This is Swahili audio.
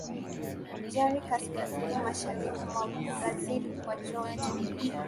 Jari kaskazini mashariki mwa Brazil kwa joto